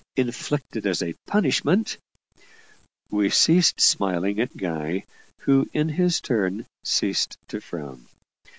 inflicted as a punishment), we ceased smiling at Guy, who in his turn ceased to frown.